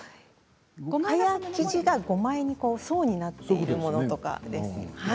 蚊帳生地が５枚に層になっているものとかです。